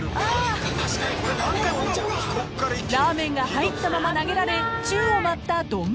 ［ラーメンが入ったまま投げられ宙を舞った丼］